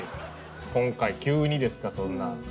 今回急にですかそんな。